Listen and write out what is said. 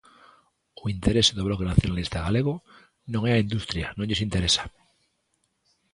O interese do Bloque Nacionalista Galego non é a industria, non lles interesa.